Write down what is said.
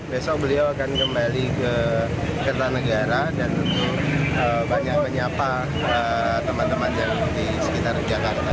besok beliau akan kembali ke kertanegara dan tentu banyak menyapa teman teman yang di sekitar jakarta